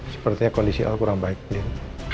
sepertinya kondisi al kurang baik